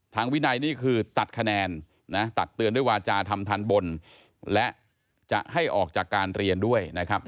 วินัยนี่คือตัดคะแนนนะตักเตือนด้วยวาจาทำทันบนและจะให้ออกจากการเรียนด้วยนะครับ